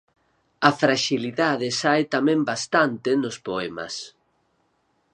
A fraxilidade sae tamén bastante nos poemas.